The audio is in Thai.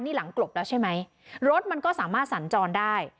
นี่หลังกลบแล้วใช่ไหมรถมันก็สามารถสัญจรได้